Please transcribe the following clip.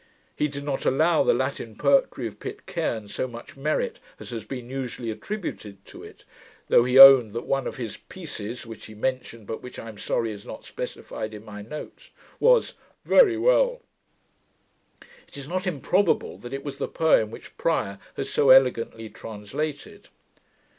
He did not allow the Latin poetry of Pitcairne so much merit as has been usually attributed to it; though he owned that one of his pieces, which he mentioned, but which I am sorry is not specified in my notes, was 'very well'. It is not improbable that it was the poem which Prior has so elegantly translated.